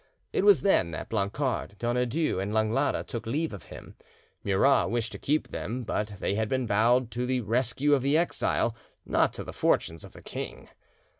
It was then that Blancard, Donadieu, and Langlade took leave of him; Murat wished to keep them, but they had been vowed to the rescue of the exile, not to the fortunes of the king.